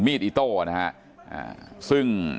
มีคลิปก่อนนะครับ